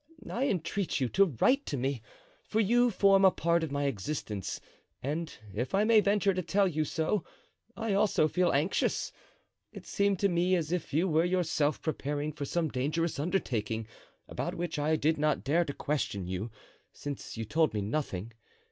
I entreat you to write to me, for you form a part of my existence, and, if I may venture to tell you so, I also feel anxious. It seemed to me as if you were yourself preparing for some dangerous undertaking, about which I did not dare to question you, since you told me nothing.